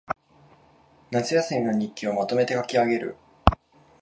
夏休みの日記をまとめて書きあげる